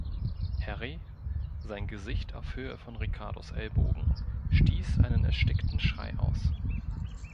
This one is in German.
Harry, sein Gesicht auf Höhe von Ricardos Ellbogen, stieß einen erstickten Schrei aus.